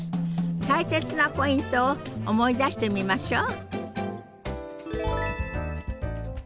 大切なポイントを思い出してみましょう。